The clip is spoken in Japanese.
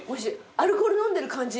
アルコール飲んでる感じ？